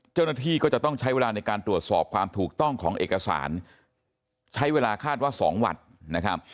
เจ้าหน้าที่ก็จะต้องใช้เวลาในการตรวจสอบความถูกต้องของเอกสารใช้เวลาคาดว่า๒วันนะครับ